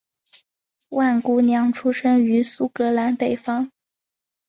万姑娘出生于苏格兰北方。